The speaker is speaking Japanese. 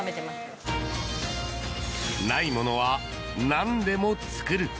ないものはなんでも作る。